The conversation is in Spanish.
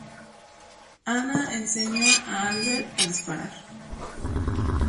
Anna enseña a Albert a disparar.